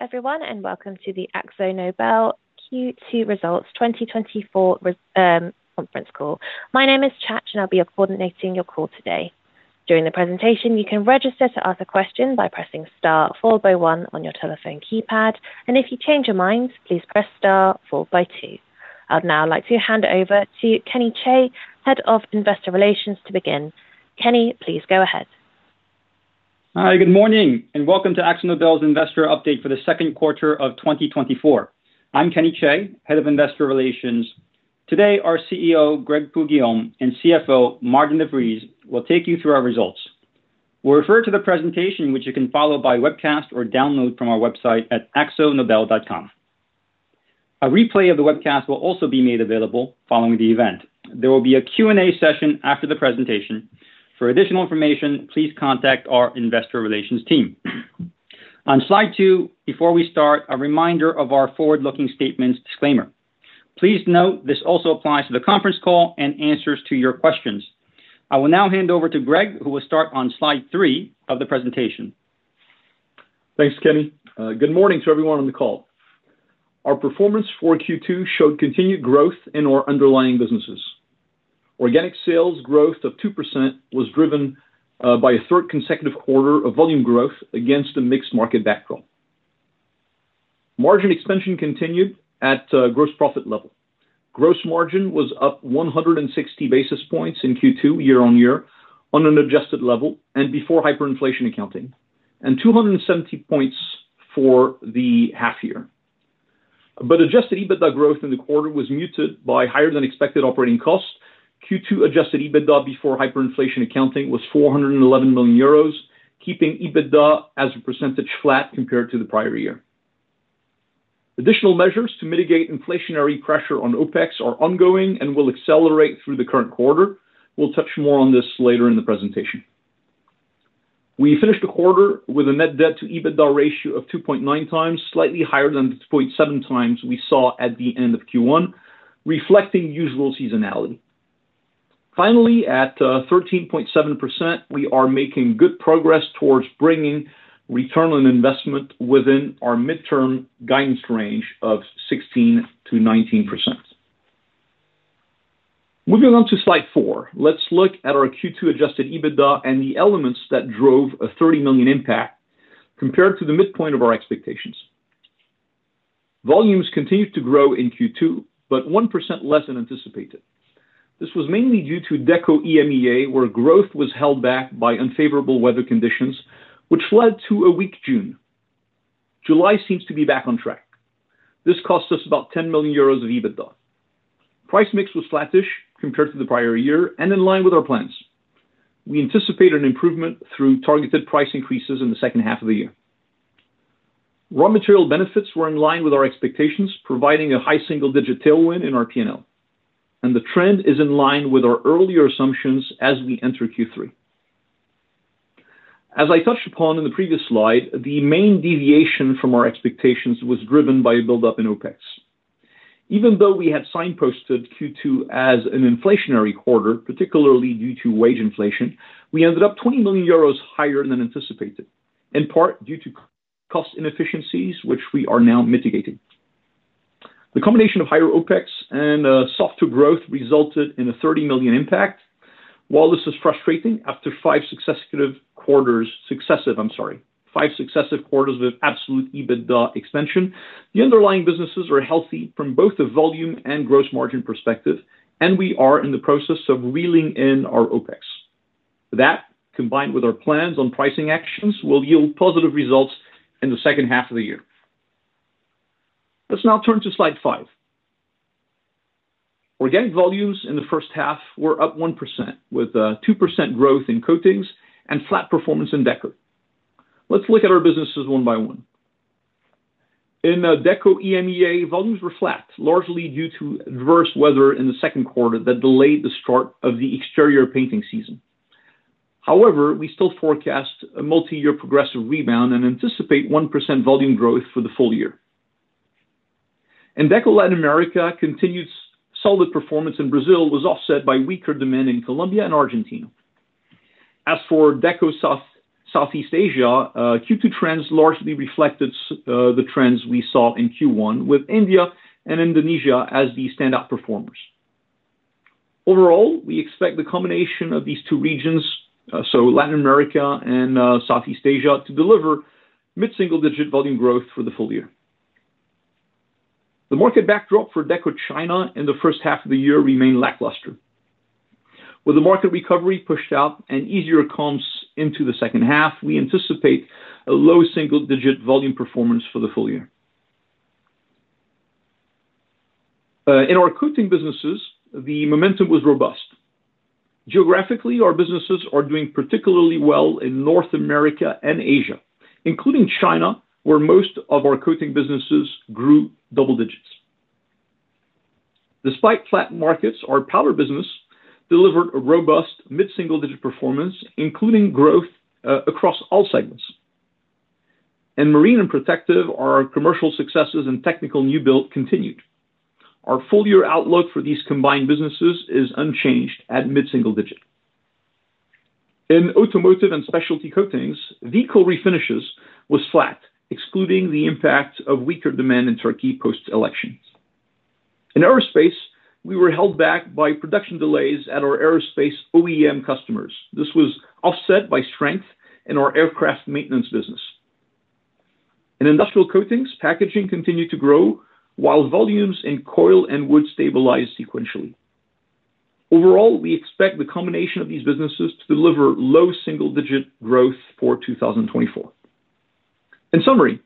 Hello, everyone, and welcome to the AkzoNobel Q2 2024 Results conference call. My name is Chach, and I'll be coordinating your call today. During the presentation, you can register to ask a question by pressing star followed by one on your telephone keypad, and if you change your mind, please press star followed by two. I'd now like to hand over to Kenny Chae, Head of Investor Relations, to begin. Kenny, please go ahead. Hi. Good morning, and welcome to AkzoNobel's Investor Update for the Q2 of 2024. I'm Kenny Tse, Head of Investor Relations. Today, our CEO, Greg Poux-Guillaume, and CFO, Maarten de Vries, will take you through our results. We'll refer to the presentation, which you can follow by webcast or download from our website at akzonobel.com. A replay of the webcast will also be made available following the event. There will be a Q&A session after the presentation. For additional information, please contact our investor relations team. On slide 2, before we start, a reminder of our forward-looking statements disclaimer. Please note this also applies to the conference call and answers to your questions. I will now hand over to Greg, who will start on slide 3 of the presentation. Thanks, Kenny. Good morning to everyone on the call. Our performance for Q2 showed continued growth in our underlying businesses. Organic sales growth of 2% was driven by a third consecutive quarter of volume growth against a mixed market backdrop. Margin expansion continued at gross profit level. Gross margin was up 160 basis points in Q2, year-on-year, on an adjusted level and before hyperinflation accounting, and 270 points for the half year. But adjusted EBITDA growth in the quarter was muted by higher than expected operating costs. Q2 adjusted EBITDA before hyperinflation accounting was 411 million euros, keeping EBITDA as a percentage flat compared to the prior year. Additional measures to mitigate inflationary pressure on OpEx are ongoing and will accelerate through the current quarter. We'll touch more on this later in the presentation. We finished the quarter with a net debt to EBITDA ratio of 2.9 times, slightly higher than the 2.7 times we saw at the end of Q1, reflecting usual seasonality. Finally, at 13.7%, we are making good progress towards bringing return on investment within our midterm guidance range of 16% to 19%. Moving on to slide four. Let's look at our Q2-adjusted EBITDA and the elements that drove a 30 million impact compared to the midpoint of our expectations. Volumes continued to grow in Q2, but 1% less than anticipated. This was mainly due to Deco EMEA, where growth was held back by unfavorable weather conditions, which led to a weak June. July seems to be back on track. This cost us about 10 million euros of EBITDA. Price mix was flattish compared to the prior year and in line with our plans. We anticipate an improvement through targeted price increases in the second half of the year. Raw material benefits were in line with our expectations, providing a high single-digit tailwind in our P&L, and the trend is in line with our earlier assumptions as we enter Q3. As I touched upon in the previous slide, the main deviation from our expectations was driven by a buildup in OpEx. Even though we had signposted Q2 as an inflationary quarter, particularly due to wage inflation, we ended up 20 million euros higher than anticipated, in part due to cost inefficiencies, which we are now mitigating. The combination of higher OpEx and softer growth resulted in a 30 million impact. While this is frustrating, after five successive quarters... Successive, I'm sorry. Five successive quarters of absolute EBITDA expansion, the underlying businesses are healthy from both the volume and gross margin perspective, and we are in the process of reeling in our OpEx. That, combined with our plans on pricing actions, will yield positive results in the second half of the year. Let's now turn to slide 5. Organic volumes in the first half were up 1%, with 2% growth in coatings and flat performance in Deco. Let's look at our businesses one by one. In Deco EMEA, volumes were flat, largely due to adverse weather in the Q2 that delayed the start of the exterior painting season. However, we still forecast a multi-year progressive rebound and anticipate 1% volume growth for the full year. In Deco Latin America, continued solid performance in Brazil was offset by weaker demand in Colombia and Argentina. As for Deco South, Southeast Asia, Q2 trends largely reflected the trends we saw in Q1, with India and Indonesia as the standout performers. Overall, we expect the combination of these two regions, so Latin America and Southeast Asia, to deliver mid-single-digit volume growth for the full year. The market backdrop for Deco China in the first half of the year remained lackluster. With the market recovery pushed out and easier comps into the second half, we anticipate a low single-digit volume performance for the full year. In our coating businesses, the momentum was robust. Geographically, our businesses are doing particularly well in North America and Asia, including China, where most of our coating businesses grew double digits. Despite flat markets, our Powder business delivered a robust mid-single-digit performance, including growth, across all segments. In marine and protective, our commercial successes and technical new build continued. Our full-year outlook for these combined businesses is unchanged at mid-single-digit.... In automotive and specialty coatings, vehicle refinishes was flat, excluding the impact of weaker demand in Turkey post-election. In aerospace, we were held back by production delays at our aerospace OEM customers. This was offset by strength in our aircraft maintenance business. In industrial coatings, packaging continued to grow, while volumes in coil and wood stabilized sequentially. Overall, we expect the combination of these businesses to deliver low single-digit growth for 2024. In summary,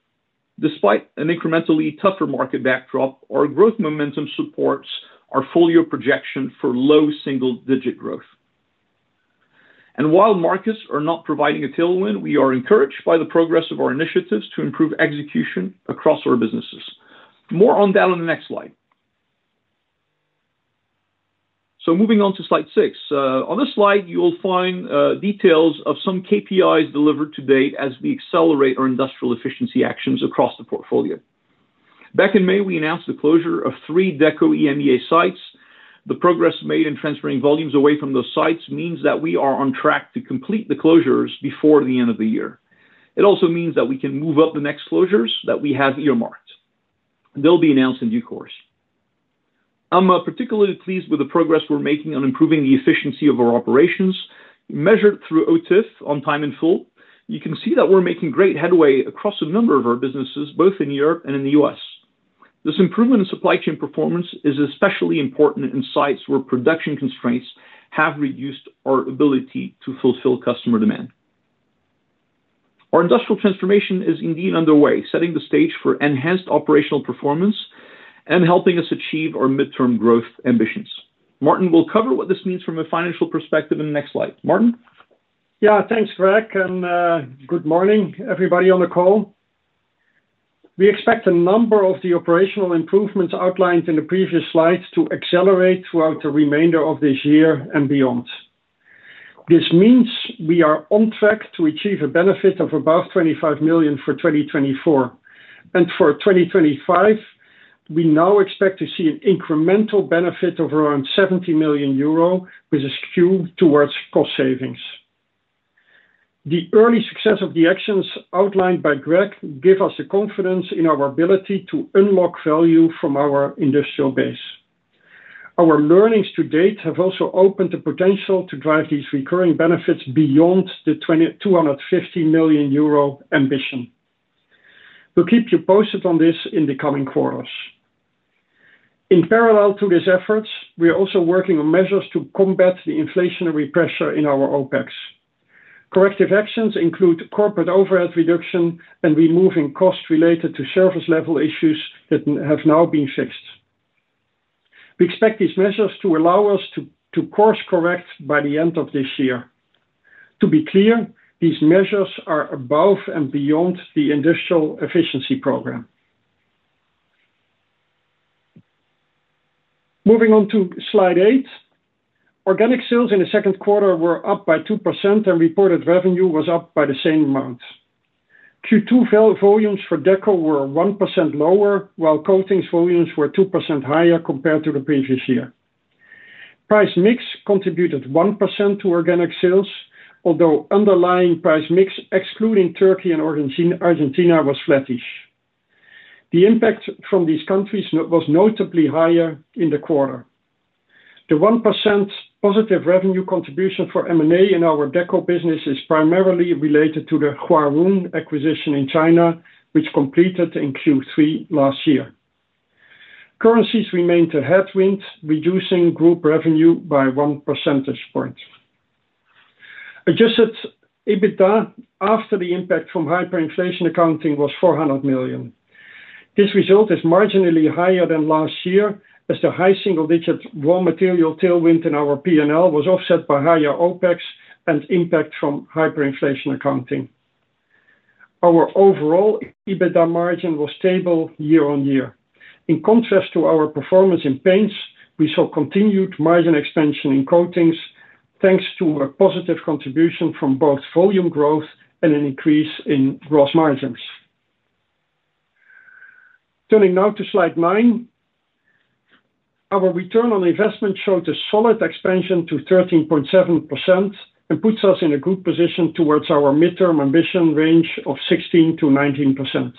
despite an incrementally tougher market backdrop, our growth momentum supports our full-year projection for low single-digit growth. And while markets are not providing a tailwind, we are encouraged by the progress of our initiatives to improve execution across our businesses. More on that on the next slide. So moving on to slide 6. On this slide, you will find details of some KPIs delivered to date as we accelerate our industrial efficiency actions across the portfolio. Back in May, we announced the closure of 3 Deco EMEA sites. The progress made in transferring volumes away from those sites means that we are on track to complete the closures before the end of the year. It also means that we can move up the next closures that we have earmarked. They'll be announced in due course. I'm particularly pleased with the progress we're making on improving the efficiency of our operations, measured through OTIF, On Time In Full. You can see that we're making great headway across a number of our businesses, both in Europe and in the US This improvement in supply chain performance is especially important in sites where production constraints have reduced our ability to fulfill customer demand. Our industrial transformation is indeed underway, setting the stage for enhanced operational performance and helping us achieve our midterm growth ambitions. Maarten will cover what this means from a financial perspective in the next slide. Maarten? Yeah, thanks, Greg, and good morning, everybody on the call. We expect a number of the operational improvements outlined in the previous slides to accelerate throughout the remainder of this year and beyond. This means we are on track to achieve a benefit of above 25 million for 2024. And for 2025, we now expect to see an incremental benefit of around 70 million euro, which is skewed towards cost savings. The early success of the actions outlined by Greg give us the confidence in our ability to unlock value from our industrial base. Our learnings to date have also opened the potential to drive these recurring benefits beyond the 250 million euro ambition. We'll keep you posted on this in the coming quarters. In parallel to these efforts, we are also working on measures to combat the inflationary pressure in our OpEx. Corrective actions include corporate overhead reduction and removing costs related to service level issues that have now been fixed. We expect these measures to allow us to course correct by the end of this year. To be clear, these measures are above and beyond the industrial efficiency program. Moving on to slide 8. Organic sales in the Q2 were up by 2%, and reported revenue was up by the same amount. Q2 sales volumes for Deco were 1% lower, while coatings volumes were 2% higher compared to the previous year. Price mix contributed 1% to organic sales, although underlying price mix, excluding Turkey and Argentina, was flattish. The impact from these countries was notably higher in the quarter. The 1% positive revenue contribution for M&A in our Deco business is primarily related to the Huarun acquisition in China, which completed in Q3 last year. Currencies remained a headwind, reducing group revenue by 1 percentage point. Adjusted EBITDA, after the impact from hyperinflation accounting, was 400 million. This result is marginally higher than last year, as the high single-digit raw material tailwind in our P&L was offset by higher OpEx and impact from hyperinflation accounting. Our overall EBITDA margin was stable year-on-year. In contrast to our performance in paints, we saw continued margin expansion in coatings, thanks to a positive contribution from both volume growth and an increase in gross margins. Turning now to slide 9. Our return on investment showed a solid expansion to 13.7% and puts us in a good position towards our midterm ambition range of 16% to 19%.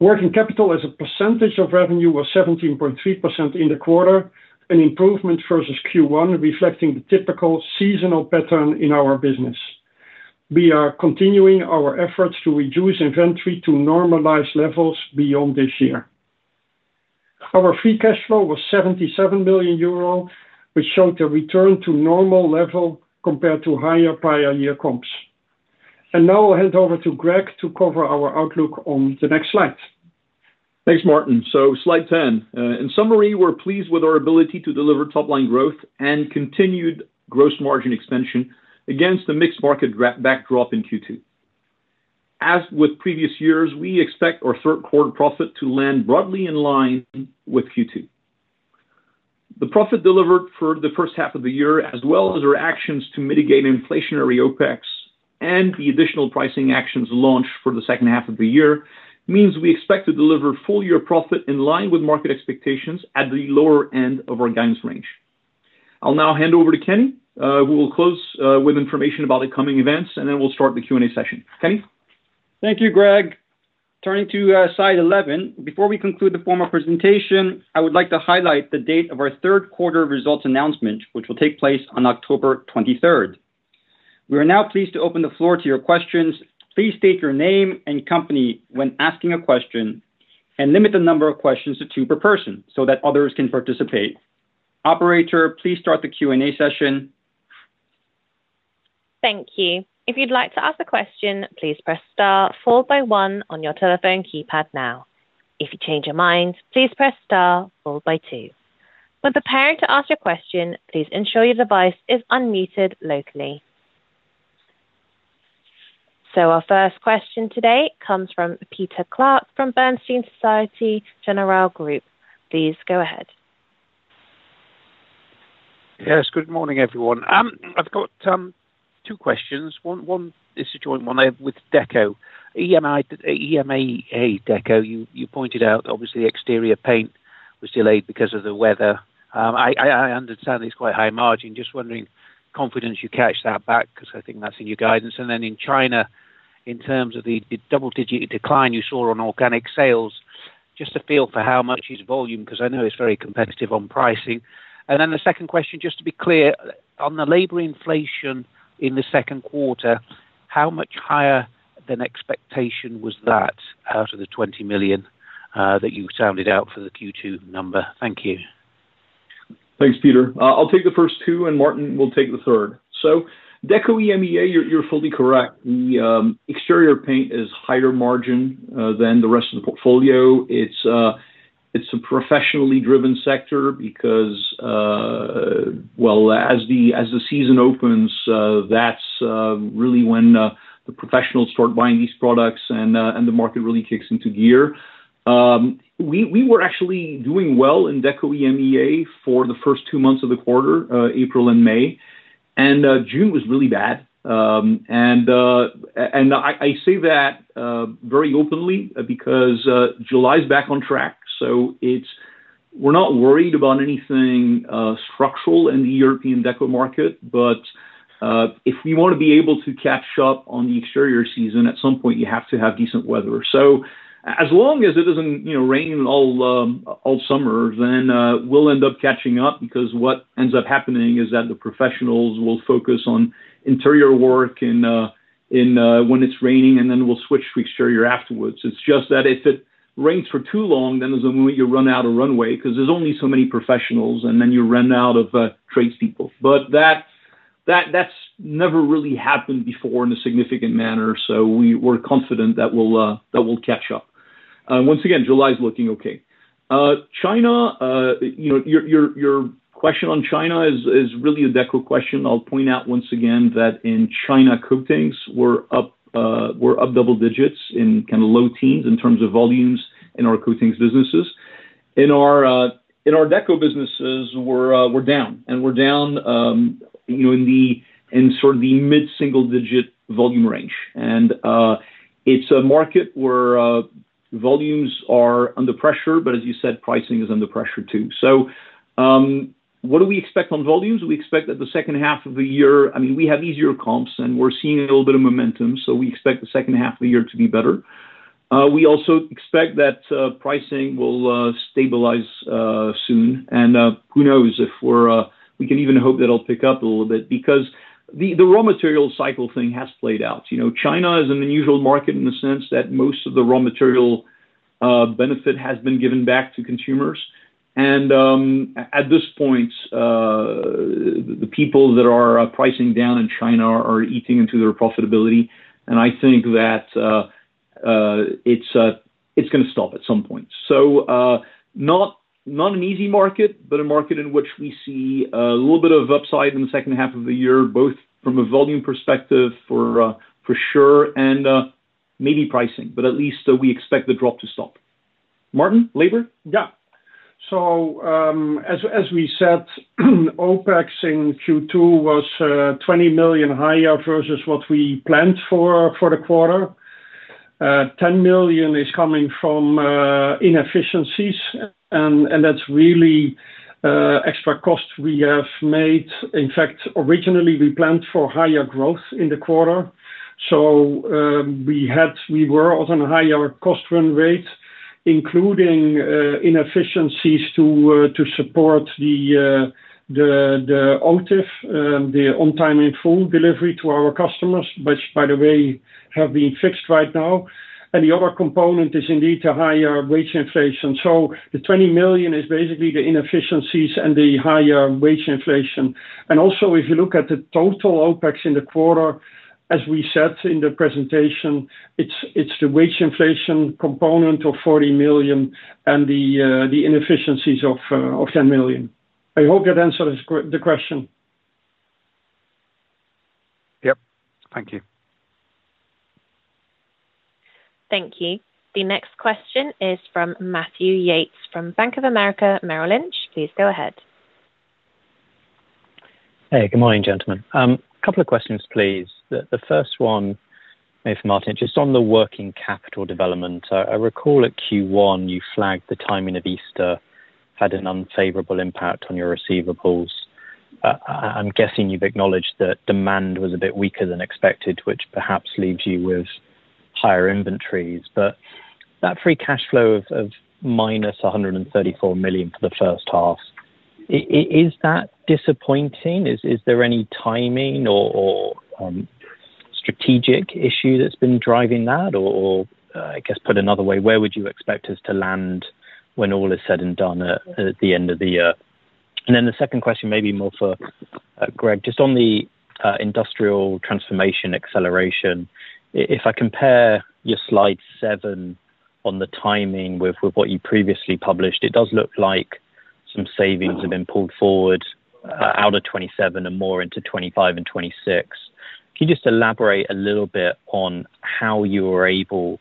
Working capital as a percentage of revenue was 17.3% in the quarter, an improvement versus Q1, reflecting the typical seasonal pattern in our business. We are continuing our efforts to reduce inventory to normalized levels beyond this year. Our free cash flow was 77 million euro, which showed a return to normal level compared to higher prior year comps. Now I'll hand over to Greg to cover our outlook on the next slide. Thanks, Maarten. So slide 10. In summary, we're pleased with our ability to deliver top-line growth and continued gross margin expansion against the mixed market backdrop in Q2. As with previous years, we expect our Q3 profit to land broadly in line with Q2. The profit delivered for the first half of the year, as well as our actions to mitigate inflationary OpEx and the additional pricing actions launched for the second half of the year, means we expect to deliver full-year profit in line with market expectations at the lower end of our guidance range. I'll now hand over to Kenny, who will close with information about the coming events, and then we'll start the Q&A session. Kenny? Thank you, Greg. Turning to slide 11, before we conclude the formal presentation, I would like to highlight the date of our Q3 results announcement, which will take place on October 23rd. We are now pleased to open the floor to your questions. Please state your name and company when asking a question, and limit the number of questions to two per person so that others can participate. Operator, please start the Q&A session. Thank you. If you'd like to ask a question, please press star followed by one on your telephone keypad now. If you change your mind, please press star followed by two. When preparing to ask your question, please ensure your device is unmuted locally. Our first question today comes from Peter Clark from Bernstein Société Générale Group. Please go ahead. Yes, good morning, everyone. I've got, two questions. One is a joint one I have with Deco. EMEA Deco, you pointed out, obviously, exterior paint was delayed because of the weather. I understand it's quite high margin. Just wondering, confidence you catch that back, 'cause I think that's in your guidance. And then in China, in terms of the double-digit decline you saw on organic sales, just a feel for how much is volume, 'cause I know it's very competitive on pricing. And then the second question, just to be clear, on the labor inflation in the Q2, how much higher than expectation was that out of the 20 million that you sounded out for the Q2 number? Thank you. Thanks, Peter. I'll take the first two, and Maarten will take the third. So Deco EMEA, you're fully correct. The exterior paint is higher margin than the rest of the portfolio. It's a professionally driven sector because... well, as the season opens, that's really when the professionals start buying these products and the market really kicks into gear. We were actually doing well in Deco EMEA for the first two months of the quarter, April and May, and June was really bad. And I say that very openly, because July is back on track, so it's-- we're not worried about anything structural in the European Deco market. But, if we want to be able to catch up on the exterior season, at some point, you have to have decent weather. So as long as it doesn't, you know, rain all summer, then, we'll end up catching up because what ends up happening is that the professionals will focus on interior work and, when it's raining, and then we'll switch to exterior afterwards. It's just that if it rains for too long, then there's a moment you run out of runway because there's only so many professionals, and then you run out of tradespeople. But that's never really happened before in a significant manner, so we're confident that we'll catch up. Once again, July is looking okay. China, you know, your question on China is really a Deco question. I'll point out once again that in China, Coatings were up double digits in kind of low teens in terms of volumes in our Coatings businesses. In our Deco businesses, we're down, and we're down, you know, in sort of the mid-single digit volume range. It's a market where volumes are under pressure, but as you said, pricing is under pressure, too. So, what do we expect on volumes? We expect that the second half of the year... I mean, we have easier comps, and we're seeing a little bit of momentum, so we expect the second half of the year to be better. We also expect that pricing will stabilize soon. And, who knows if we're, we can even hope that it'll pick up a little bit because the raw material cycle thing has played out. You know, China is an unusual market in the sense that most of the raw material benefit has been given back to consumers. And, at this point, the people that are pricing down in China are eating into their profitability, and I think that, it's, it's gonna stop at some point. So, not an easy market, but a market in which we see a little bit of upside in the second half of the year, both from a volume perspective, for sure, and, maybe pricing, but at least we expect the drop to stop. Maarten, labor? Yeah. So, as we said, OpEx in Q2 was 20 million higher versus what we planned for the quarter. Ten million is coming from inefficiencies, and that's really extra costs we have made. In fact, originally, we planned for higher growth in the quarter. So, we were on a higher cost run rate, including inefficiencies to support the OTIF, the on time in full delivery to our customers, which, by the way, have been fixed right now. And the other component is indeed a higher wage inflation. So the 20 million is basically the inefficiencies and the higher wage inflation. And also, if you look at the total OpEx in the quarter, as we said in the presentation, it's the wage inflation component of 40 million and the inefficiencies of 10 million. I hope that answers the question. Yep. Thank you.... Thank you. The next question is from Matthew Yates, from Bank of America, Merrill Lynch. Please go ahead. Hey, good morning, gentlemen. A couple of questions, please. The first one is for Maarten. Just on the working capital development, I recall at Q1, you flagged the timing of Easter had an unfavorable impact on your receivables. I'm guessing you've acknowledged that demand was a bit weaker than expected, which perhaps leaves you with higher inventories. But that free cash flow of -134 million for the first half, is that disappointing? Is there any timing or strategic issue that's been driving that? Or, I guess put another way, where would you expect us to land when all is said and done at the end of the year? And then the second question may be more for Greg. Just on the, industrial transformation acceleration, if I compare your slide seven on the timing with what you previously published, it does look like some savings have been pulled forward, out of 2027 and more into 2025 and 2026. Can you just elaborate a little bit on how you were able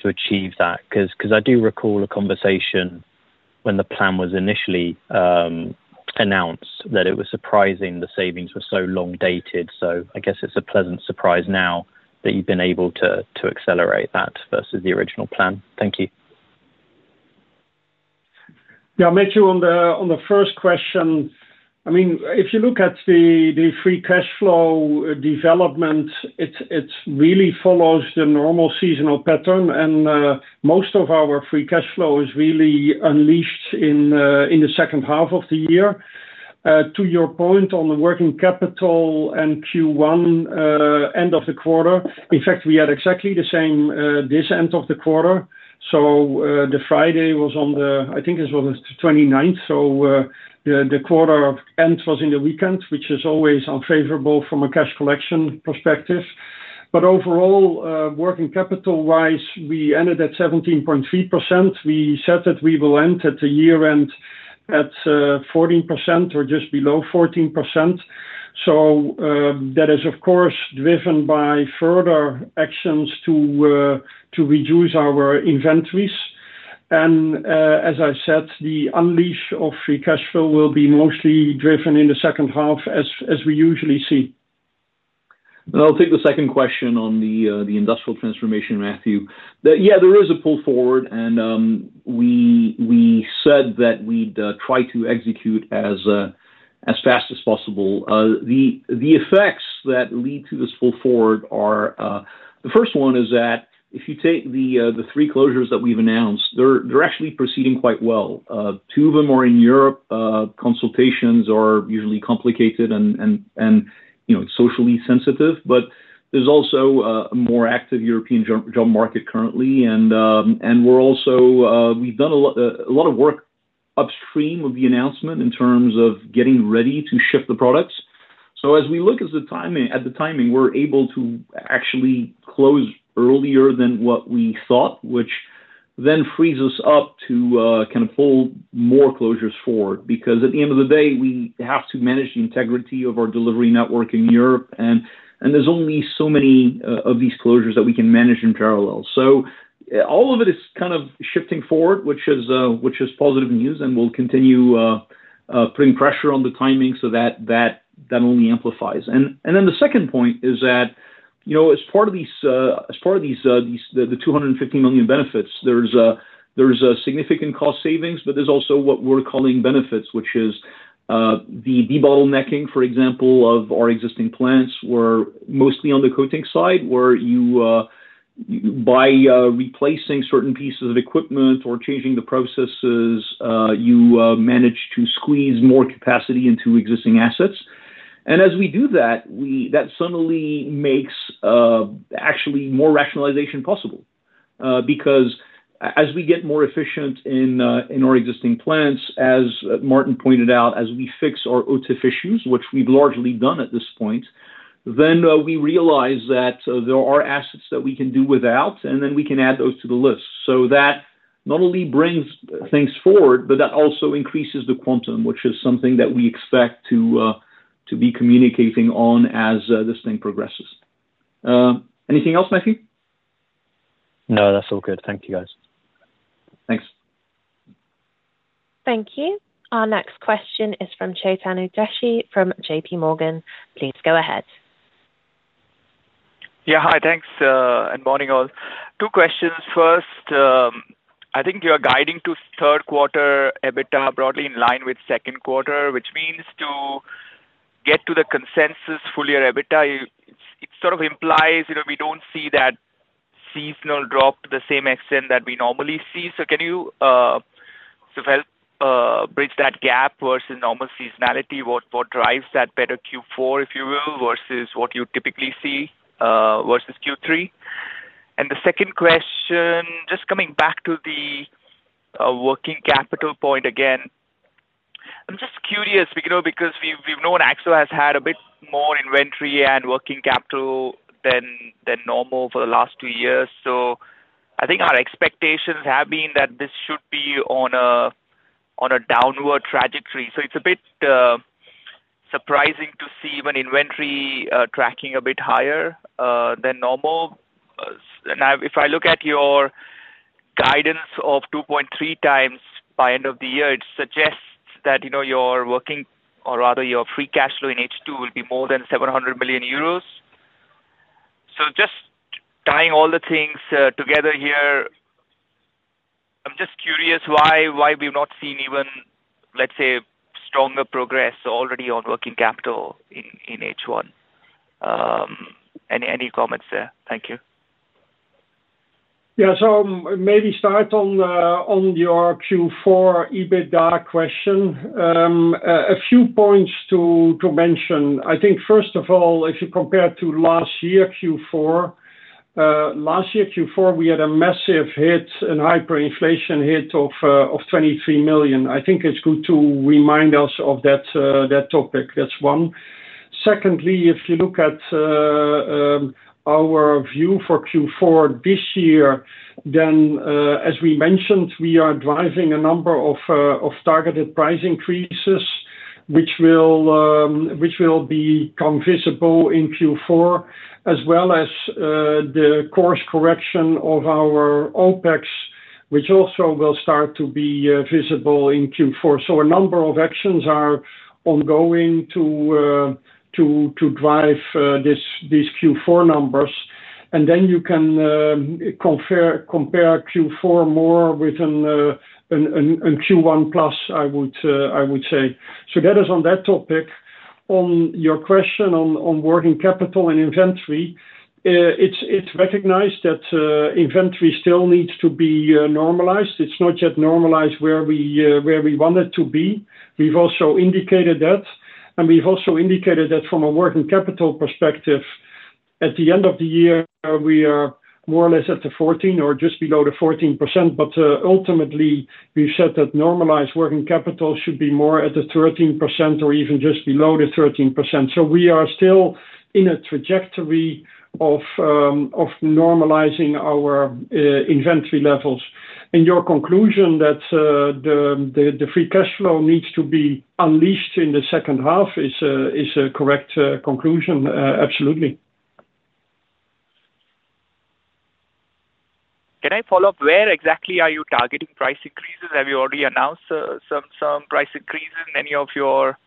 to achieve that? 'Cause I do recall a conversation when the plan was initially announced, that it was surprising the savings were so long dated. So I guess it's a pleasant surprise now that you've been able to accelerate that versus the original plan. Thank you. Yeah, Matthew, on the first question, I mean, if you look at the free cash flow development, it really follows the normal seasonal pattern, and most of our free cash flow is really unleashed in the second half of the year. To your point on the working capital and Q1 end of the quarter, in fact, we had exactly the same this end of the quarter. So, the Friday was on the... I think it was on the 29th. So, the quarter end was in the weekend, which is always unfavorable from a cash collection perspective. But overall, working capital-wise, we ended at 17.3%. We said that we will end at the year-end at 14% or just below 14%. So, that is, of course, driven by further actions to reduce our inventories. And, as I said, the unleash of free cash flow will be mostly driven in the second half, as we usually see. I'll take the second question on the industrial transformation, Matthew. Yeah, there is a pull forward, and we said that we'd try to execute as fast as possible. The effects that lead to this pull forward are, the first one is that, if you take the three closures that we've announced, they're actually proceeding quite well. Two of them are in Europe. Consultations are usually complicated and, you know, socially sensitive, but there's also a more active European job market currently. And we're also, we've done a lot of work upstream with the announcement in terms of getting ready to ship the products. So as we look at the timing, we're able to actually close earlier than what we thought, which then frees us up to kind of pull more closures forward. Because at the end of the day, we have to manage the integrity of our delivery network in Europe, and there's only so many of these closures that we can manage in parallel. So all of it is kind of shifting forward, which is positive news, and we'll continue putting pressure on the timing so that only amplifies. And then the second point is that, you know, as part of these, the 250 million benefits, there's significant cost savings, but there's also what we're calling benefits, which is the debottlenecking, for example, of our existing plants, where mostly on the coating side, where you by replacing certain pieces of equipment or changing the processes, you manage to squeeze more capacity into existing assets. And as we do that, that suddenly makes actually more rationalization possible, because as we get more efficient in our existing plants, as Maarten pointed out, as we fix our OTIF issues, which we've largely done at this point, then we realize that there are assets that we can do without, and then we can add those to the list. So that not only brings things forward, but that also increases the quantum, which is something that we expect to be communicating on as this thing progresses. Anything else, Matthew? No, that's all good. Thank you, guys. Thanks. Thank you. Our next question is from Chetan Udeshi, from JPMorgan. Please go ahead. Yeah, hi, thanks, and morning all. Two questions. First, I think you're guiding to Q3 EBITDA broadly in line with Q2, which means to get to the consensus full-year EBITDA, it sort of implies, you know, we don't see that seasonal drop to the same extent that we normally see. So can you sort of help bridge that gap versus normal seasonality? What drives that better Q4, if you will, versus what you typically see versus Q3? And the second question, just coming back to the working capital point again. I'm just curious, you know, because we've known Akzo has had a bit more inventory and working capital than normal for the last two years. So I think our expectations have been that this should be on a downward trajectory. So it's a bit... surprising to see even inventory tracking a bit higher than normal. Now, if I look at your guidance of 2.3 times by end of the year, it suggests that, you know, your working, or rather your free cash flow in H2 will be more than 700 million euros. So just tying all the things together here, I'm just curious why, why we've not seen even, let's say, stronger progress already on working capital in, in H1? Any, any comments there? Thank you. Yeah. So maybe start on your Q4 EBITDA question. A few points to mention. I think, first of all, if you compare to last year Q4, last year Q4, we had a massive hit, a hyperinflation hit of 23 million. I think it's good to remind us of that topic. That's one. Secondly, if you look at our view for Q4 this year, then, as we mentioned, we are driving a number of targeted price increases, which will become visible in Q4, as well as the course correction of our OpEx, which also will start to be visible in Q4. So a number of actions are ongoing to drive these Q4 numbers. Then you can compare Q4 more with a Q1 plus, I would say. That is on that topic. On your question on working capital and inventory, it's recognized that inventory still needs to be normalized. It's not yet normalized where we want it to be. We've also indicated that from a working capital perspective, at the end of the year, we are more or less at the 14% or just below the 14%, but ultimately, we've said that normalized working capital should be more at the 13% or even just below the 13%. So we are still in a trajectory of normalizing our inventory levels. Your conclusion that the free cash flow needs to be unleashed in the second half is a correct conclusion, absolutely. Can I follow up? Where exactly are you targeting price increases? Have you already announced some price increases in any of your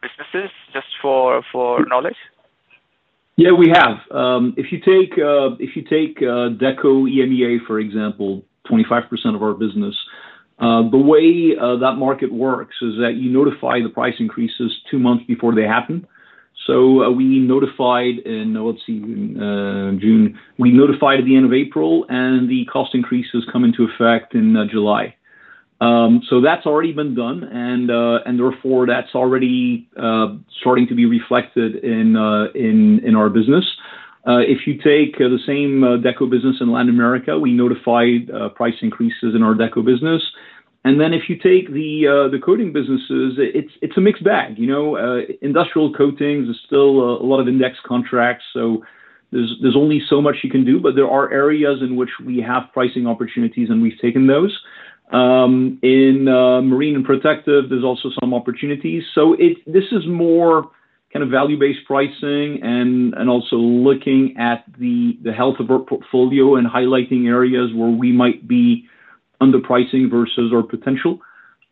businesses, just for knowledge? Yeah, we have. If you take, Deco EMEA, for example, 25% of our business, the way that market works is that you notify the price increases two months before they happen. So, we notified in, let's see, June. We notified at the end of April, and the cost increases come into effect in, July. So that's already been done, and, and therefore, that's already starting to be reflected in, in, in our business. If you take the same, Deco business in Latin America, we notified, price increases in our Deco business. Then if you take the coatings businesses, it's a mixed bag, you know, industrial coatings is still a lot of index contracts, so there's only so much you can do, but there are areas in which we have pricing opportunities, and we've taken those. In marine and protective, there's also some opportunities. So this is more kind of value-based pricing and also looking at the health of our portfolio and highlighting areas where we might be underpricing versus our potential.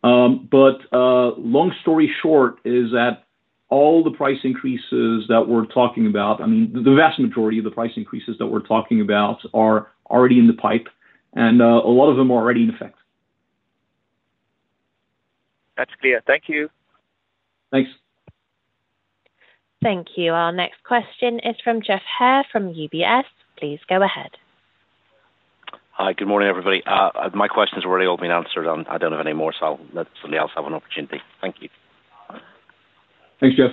But long story short is that all the price increases that we're talking about, I mean, the vast majority of the price increases that we're talking about are already in the pipe, and a lot of them are already in effect. That's clear. Thank you. Thanks. Thank you. Our next question is from Jeff Heard from UBS. Please go ahead. Hi, good morning, everybody. My questions have already all been answered, and I don't have any more, so I'll let somebody else have an opportunity. Thank you. Thanks, Jeff.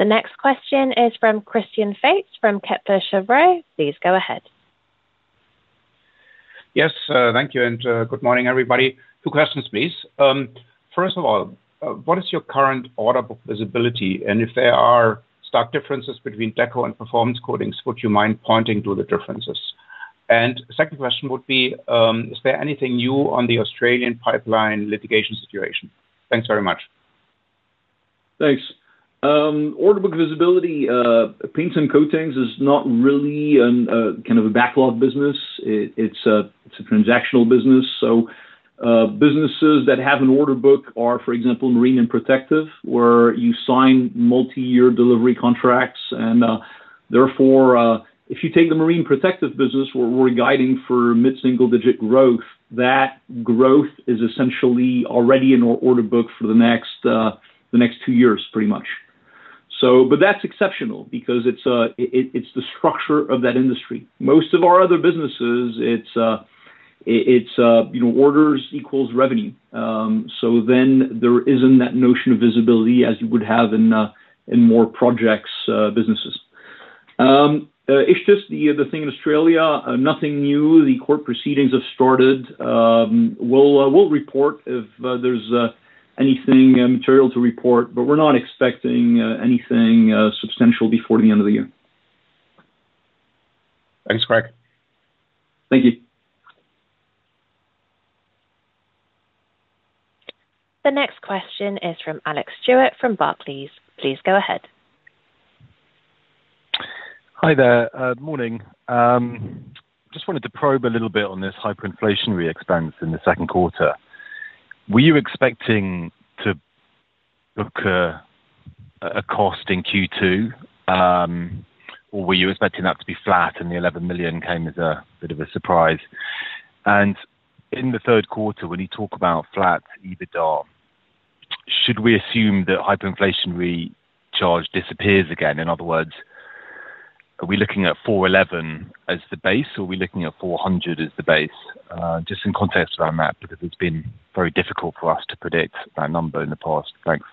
The next question is from Christian Faitz from Kepler Cheuvreux. Please go ahead. Yes, thank you, and good morning, everybody. Two questions, please. First of all, what is your current order book visibility? And if there are stock differences between Deco and Performance Coatings, would you mind pointing to the differences? And second question would be, is there anything new on the Australian pipeline litigation situation? Thanks very much. Thanks. Order book visibility, paints and coatings is not really kind of a backlog business. It's a transactional business. So, businesses that have an order book are, for example, marine and protective, where you sign multi-year delivery contracts, and therefore, if you take the marine protective business, where we're guiding for mid-single-digit growth, that growth is essentially already in our order book for the next two years, pretty much. So, but that's exceptional because it's the structure of that industry. Most of our other businesses, it's you know, orders equals revenue. So then there isn't that notion of visibility as you would have in more projects businesses. It's just the thing in Australia, nothing new. The court proceedings have started. We'll report if there's anything material to report, but we're not expecting anything substantial before the end of the year. Thanks, Greg. Thank you. The next question is from Alex Stewart from Barclays. Please go ahead. Hi there, good morning. Just wanted to probe a little bit on this hyperinflationary expense in the Q2. Were you expecting to book a cost in Q2? Or were you expecting that to be flat, and the 11 million came as a bit of a surprise? In the Q3, when you talk about flat EBITDA, should we assume the hyperinflationary charge disappears again? In other words, are we looking at 411 million as the base, or are we looking at 400 million as the base? Just in context around that, because it's been very difficult for us to predict that number in the past. Thanks.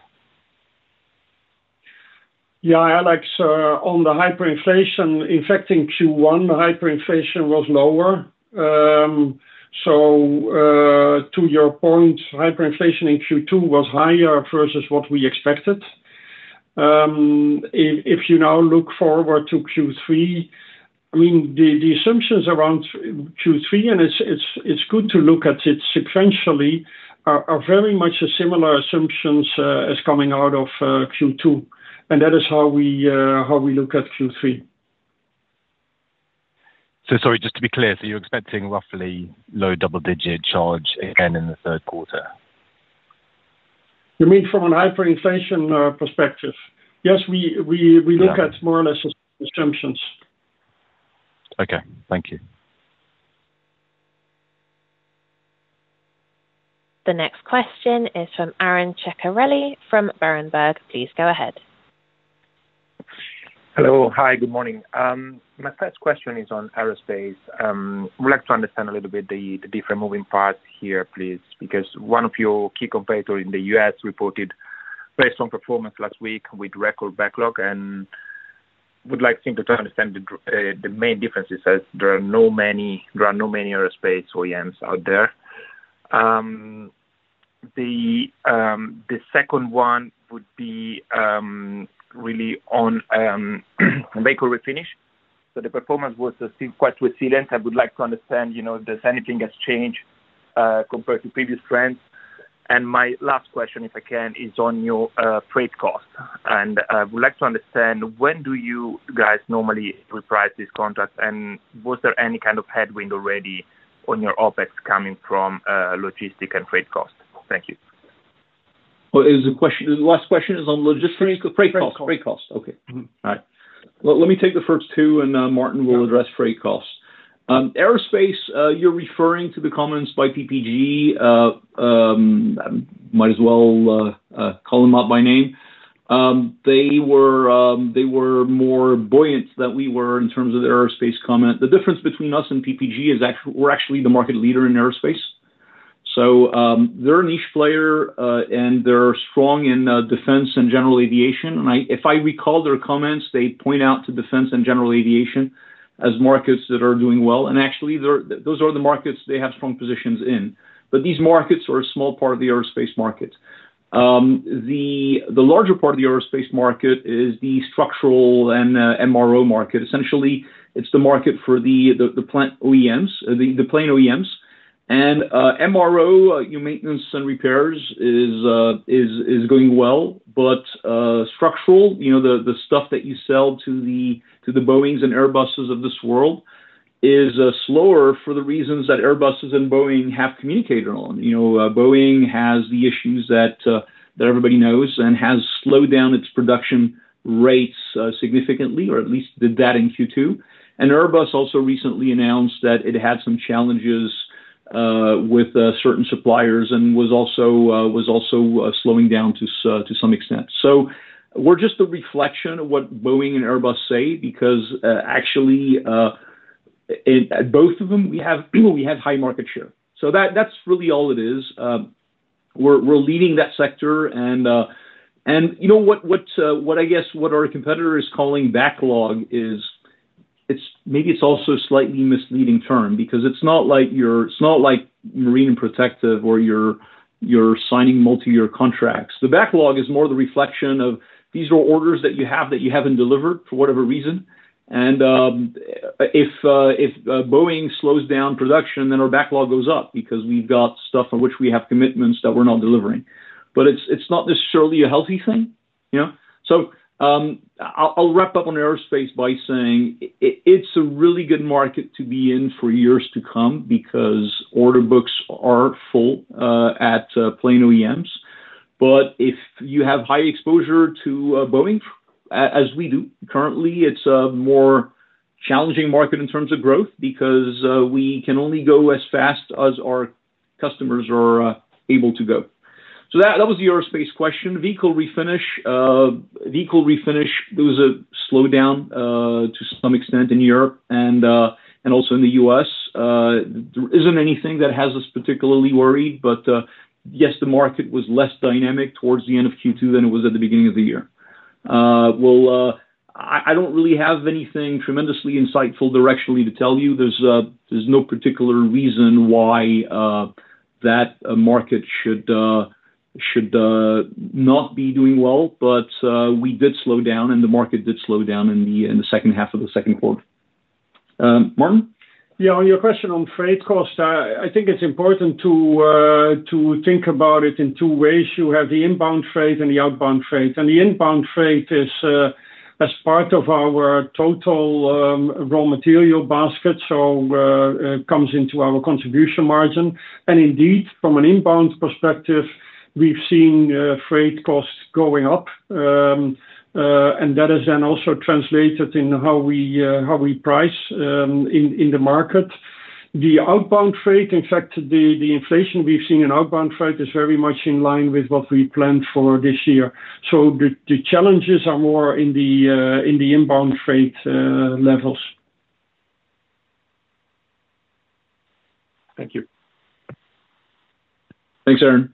Yeah, Alex, on the hyperinflation, in fact, in Q1, the hyperinflation was lower. So, to your point, hyperinflation in Q2 was higher versus what we expected. If you now look forward to Q3, I mean, the assumptions around Q3, and it's good to look at it sequentially, are very much similar assumptions as coming out of Q2, and that is how we look at Q3. So sorry, just to be clear, so you're expecting roughly low double-digit charge again in the Q3? You mean from a hyperinflation perspective? Yes, we- Yeah. - Look at more or less assumptions. Okay, thank you. The next question is from Aron Ceccarelli from Berenberg. Please go ahead. Hello. Hi, good morning. My first question is on aerospace. Would like to understand a little bit the different moving parts here, please, because one of your key competitor in the US reported based on performance last week with record backlog and would like seem to try to understand the main differences, as there are no many aerospace OEMs out there. The second one would be really on vehicle refinish. So the performance was still quite resilient. I would like to understand, you know, does anything has changed compared to previous trends? My last question, if I can, is on your freight costs, and I would like to understand when do you guys normally reprice these contracts, and was there any kind of headwind already on your OpEx coming from logistics and freight costs? Thank you. Well, is the question. The last question is on logistics- Freight, freight costs. Freight costs. Okay. Mm-hmm. All right. Well, let me take the first two, and Maarten will address freight costs. Aerospace, you're referring to the comments by PPG, might as well call them out by name. They were more buoyant than we were in terms of the aerospace comment. The difference between us and PPG is we're actually the market leader in aerospace. So, they're a niche player, and they're strong in defense and general aviation, and if I recall their comments, they point out to defense and general aviation as markets that are doing well, and actually, those are the markets they have strong positions in. But these markets are a small part of the aerospace market. The larger part of the aerospace market is the structural and MRO market. Essentially, it's the market for the plane OEMs. And MRO, your maintenance and repairs, is going well, but structural, you know, the stuff that you sell to the Boeings and Airbuses of this world, is slower for the reasons that Airbuses and Boeing have communicated on. You know, Boeing has the issues that everybody knows and has slowed down its production rates significantly, or at least did that in Q2. And Airbus also recently announced that it had some challenges with certain suppliers and was also slowing down to some extent. So we're just a reflection of what Boeing and Airbus say, because actually at both of them, we have high market share. So that, that's really all it is. We're leading that sector, and you know what our competitor is calling backlog is... It's, maybe it's also a slightly misleading term, because it's not like you're - It's not like marine protective or you're signing multi-year contracts. The backlog is more the reflection of, these are orders that you have, that you haven't delivered for whatever reason. And, if Boeing slows down production, then our backlog goes up because we've got stuff in which we have commitments that we're not delivering. But it's not necessarily a healthy thing, you know? So, I'll wrap up on aerospace by saying it's a really good market to be in for years to come because order books are full at plane OEMs. But if you have high exposure to Boeing, as we do, currently, it's a more challenging market in terms of growth because we can only go as fast as our customers are able to go. So that was the aerospace question. Vehicle refinish, there was a slowdown to some extent in Europe and also in the US. There isn't anything that has us particularly worried, but yes, the market was less dynamic towards the end of Q2 than it was at the beginning of the year. Well, I don't really have anything tremendously insightful directionally to tell you. There's no particular reason why that market should... should not be doing well, but we did slow down, and the market did slow down in the second half of the Q2. Maarten? Yeah, on your question on freight cost, I think it's important to think about it in two ways. You have the inbound freight and the outbound freight. The inbound freight is as part of our total raw material basket, so it comes into our contribution margin. Indeed, from an inbound perspective, we've seen freight costs going up, and that is then also translated in how we price in the market. The outbound freight, in fact, the inflation we've seen in outbound freight is very much in line with what we planned for this year. So the challenges are more in the inbound freight levels. Thank you. Thanks, Aaron.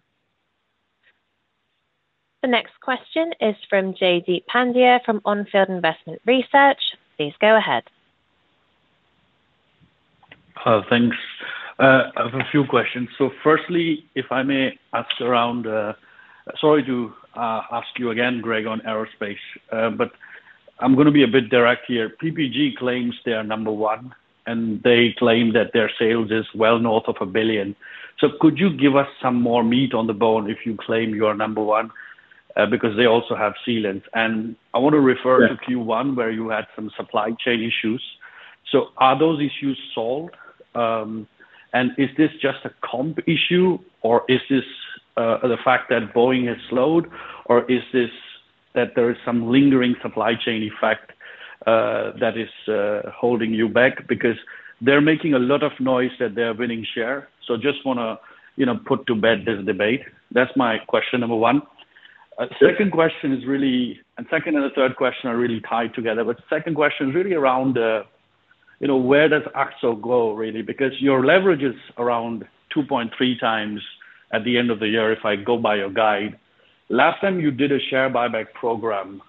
The next question is from J.D. Pandya from On Field Investment Research. Please go ahead. Thanks. I have a few questions. So firstly, if I may ask around... Sorry to ask you again, Greg, on aerospace, but I'm gonna be a bit direct here. PPG claims they are number one, and they claim that their sales is well north of $1 billion. So could you give us some more meat on the bone if you claim you're number one? Because they also have sealants. And I want to refer- Yeah... to Q1, where you had some supply chain issues. So are those issues solved? And is this just a comp issue, or is this the fact that Boeing has slowed, or is this that there is some lingering supply chain effect that is holding you back? Because they're making a lot of noise that they're winning share. So just wanna, you know, put to bed this debate. That's my question number one. Sure. Second question is really. And second and the third question are really tied together, but the second question is really around, you know, where does Akzo go, really? Because your leverage is around 2.3 times at the end of the year, if I go by your guide. Last time you did a share buyback program,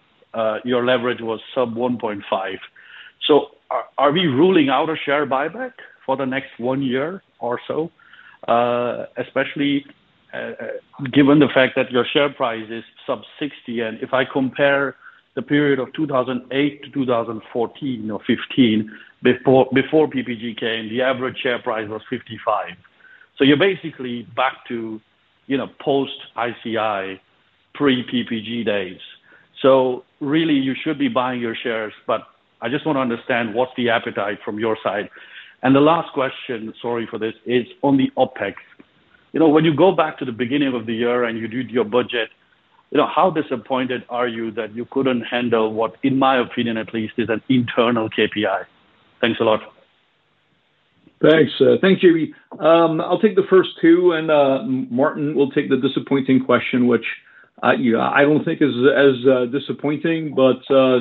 your leverage was sub 1.5. So are we ruling out a share buyback for the next one year or so, especially, given the fact that your share price is sub 60? And if I compare the period of 2008 to 2014 or 2015, before PPG came, the average share price was 55. So you're basically back to, you know, post ICI, pre-PPG days. So really, you should be buying your shares, but I just want to understand what's the appetite from your side. The last question, sorry for this, is on the OpEx. You know, when you go back to the beginning of the year and you did your budget, you know, how disappointed are you that you couldn't handle what, in my opinion, at least, is an internal KPI? Thanks a lot. Thanks. Thank you. I'll take the first two, and Maarten will take the disappointing question, which, you know, I don't think is as disappointing, but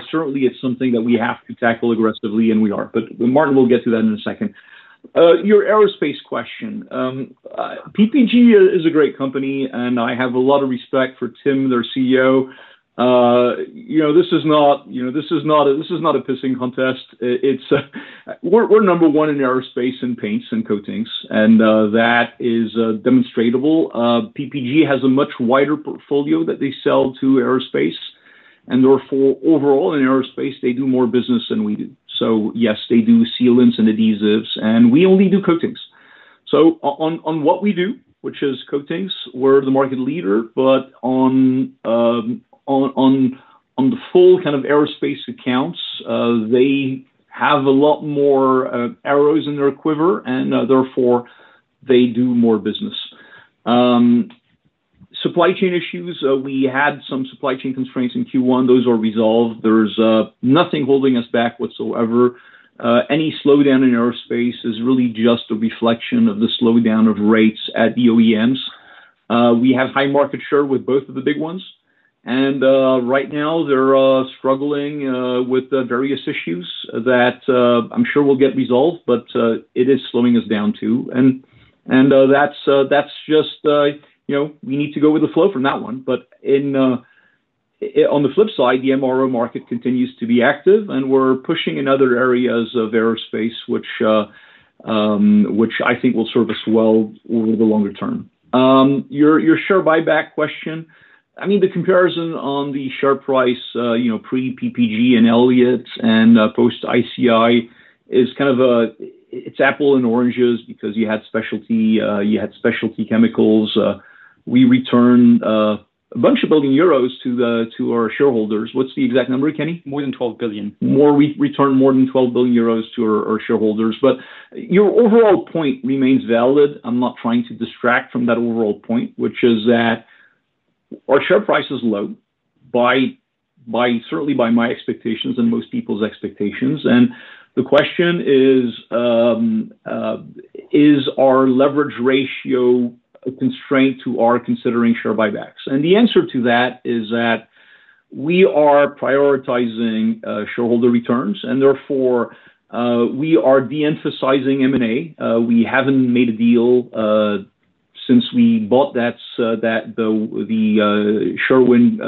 certainly it's something that we have to tackle aggressively, and we are. But Maarten will get to that in a second. Your aerospace question. PPG is a great company, and I have a lot of respect for Tim, their CEO. You know, this is not, you know, this is not a, this is not a pissing contest. It's a... We're number one in aerospace in paints and coatings, and that is demonstrable. PPG has a much wider portfolio that they sell to aerospace, and therefore, overall, in aerospace, they do more business than we do. So yes, they do sealants and adhesives, and we only do coatings. So on what we do, which is coatings, we're the market leader, but on the full kind of aerospace accounts, they have a lot more arrows in their quiver, and therefore, they do more business. Supply chain issues, we had some supply chain constraints in Q1. Those are resolved. There's nothing holding us back whatsoever. Any slowdown in aerospace is really just a reflection of the slowdown of rates at the OEMs. We have high market share with both of the big ones, and right now, they're struggling with the various issues that I'm sure will get resolved, but it is slowing us down, too. And that's just, you know, we need to go with the flow from that one. But in on the flip side, the MRO market continues to be active, and we're pushing in other areas of aerospace, which, which I think will serve us well over the longer term. Your share buyback question, I mean, the comparison on the share price, you know, pre-PPG and Elliott and post-ICI is kind of it's apple and oranges because you had specialty, you had specialty chemicals. We returned a bunch of billion EUR to the to our shareholders. What's the exact number, Kenny? More than 12 billion. We returned more than 12 billion euros to our shareholders. But your overall point remains valid. I'm not trying to distract from that overall point, which is that our share price is low by, certainly by my expectations and most people's expectations. And the question is, is our leverage ratio a constraint to our considering share buybacks? And the answer to that is that we are prioritizing shareholder returns, and therefore, we are de-emphasizing M&A. We haven't made a deal since we bought that Sherwin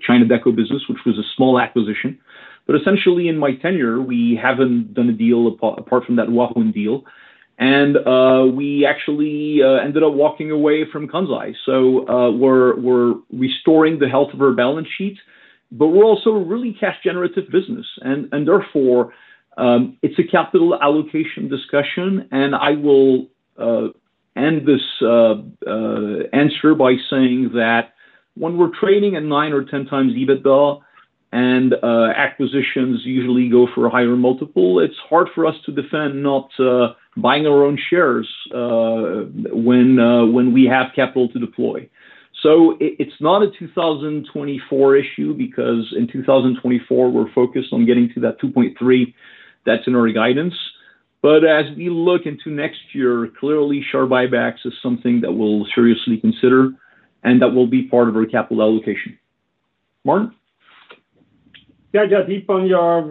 China Deco business, which was a small acquisition. But essentially in my tenure, we haven't done a deal, apart from that Huarun deal, and we actually ended up walking away from Kansai. So, we're restoring the health of our balance sheet, but we're also a really cash-generative business, and therefore, it's a capital allocation discussion. And I will end this answer by saying that when we're trading at 9 or 10x EBITDA and acquisitions usually go for a higher multiple, it's hard for us to defend not buying our own shares when we have capital to deploy. So it's not a 2024 issue, because in 2024, we're focused on getting to that 2.3 that's in our guidance. But as we look into next year, clearly share buybacks is something that we'll seriously consider, and that will be part of our capital allocation. Maarten? Yeah, yeah, Deep, on your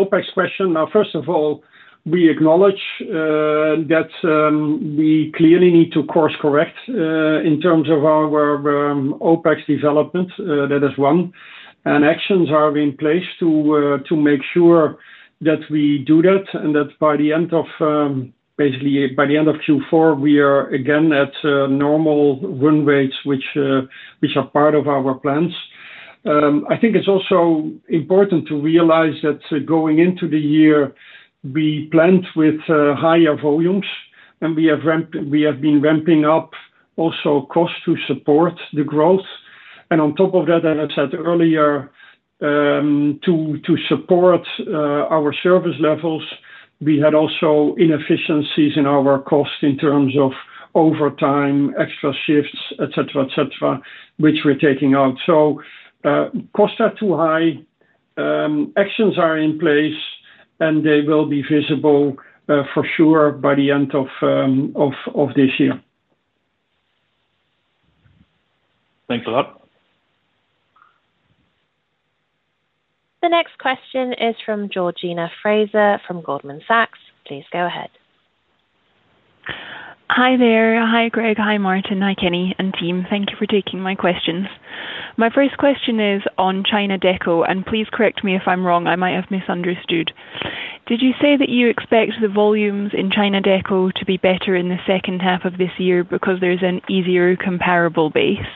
OpEx question. Now, first of all, we acknowledge that we clearly need to course correct in terms of our OpEx development, that is one, and actions are in place to make sure that we do that, and that by the end of, basically by the end of Q4, we are again at normal run rates, which are part of our plans. I think it's also important to realize that going into the year, we planned with higher volumes, and we have been ramping up also costs to support the growth. And on top of that, as I said earlier, to support our service levels, we had also inefficiencies in our cost in terms of overtime, extra shifts, et cetera, et cetera, which we're taking out. Costs are too high, actions are in place, and they will be visible for sure by the end of this year. Thanks a lot. The next question is fromGeorgina Fraser, from Goldman Sachs. Please go ahead. Hi there. Hi, Greg, hi, Maarten, hi, Kenny, and team. Thank you for taking my questions. My first question is on China Deco, and please correct me if I'm wrong, I might have misunderstood. Did you say that you expect the volumes in China Deco to be better in the second half of this year because there's an easier comparable base?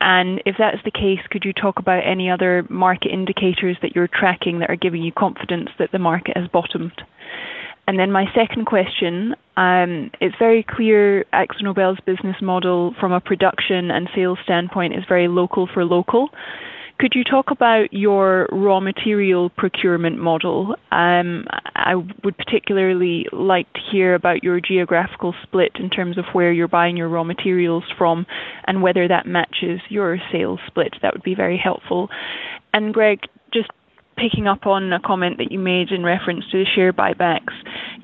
And if that's the case, could you talk about any other market indicators that you're tracking that are giving you confidence that the market has bottomed? And then my second question, it's very clear AkzoNobel's business model from a production and sales standpoint is very local for local. Could you talk about your raw material procurement model? I would particularly like to hear about your geographical split in terms of where you're buying your raw materials from and whether that matches your sales split. That would be very helpful. Greg, just picking up on a comment that you made in reference to the share buybacks.